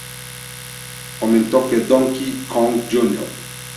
Comentó que Donkey Kong Jr.